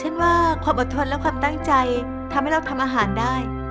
เช่นว่าความอดทนและความตั้งใจทำให้เราทำอาหารได้